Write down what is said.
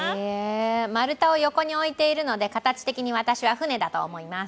丸田を横に置いているので、形的に私は舟だと思います。